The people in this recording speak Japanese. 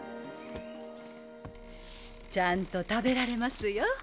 ちゃんと食べられますよ。